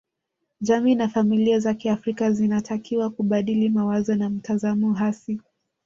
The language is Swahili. Jamii na familia za kiafrika zinatakiwa kubadili mawazo na mtazamo hasi